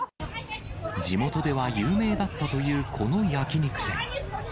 地元では有名だったというこの焼き肉店。